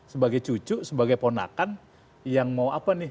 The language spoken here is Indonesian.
sebagai cucu sebagai ponakan yang mau apa nih